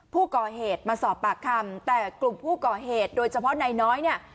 ผู้ก่อเหตุมาสอบปากคำแต่กลุ่มผู้ก่อเหตุโดยเฉพาะนายน้อยเนี่ย